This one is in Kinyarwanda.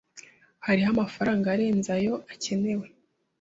Hariho amafaranga arenze ayo akenewe.